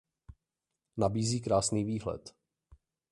Nabízí krásný výhled.